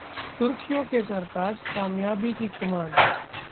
सुर्खियों के सरताजः कामयाबी की कमान